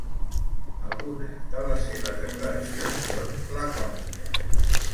Algunes de les seves declaracions són lacòniques.